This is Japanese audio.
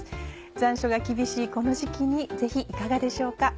残暑が厳しいこの時期にぜひいかがでしょうか。